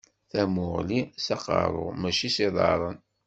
Tamuɣli s aqeṛṛu, mačči s iḍaṛṛen.